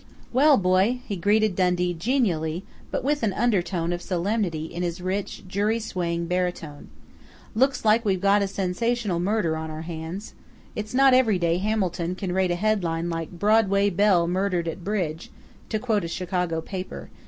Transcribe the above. "Well, boy!" he greeted Dundee genially but with an undertone of solemnity in his rich, jury swaying baritone. "Looks like we've got a sensational murder on our hands. It's not every day Hamilton can rate a headline like 'BROADWAY BELLE MURDERED AT BRIDGE' to quote a Chicago paper....